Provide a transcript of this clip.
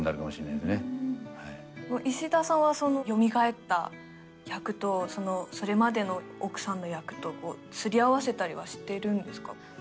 はい石田さんはそのよみがえった役とそれまでの奥さんの役とすり合わせたりはしてるんですか？